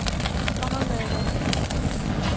کہاں گئے وہ؟